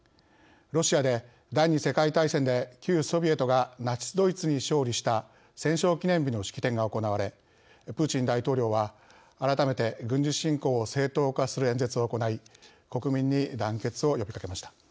ロシアで第２次世界大戦で旧ソビエトがナチスドイツに勝利した「戦勝記念日」の式典が行われプーチン大統領は改めて軍事侵攻を正当化する演説を行い国民に団結を呼びかけました。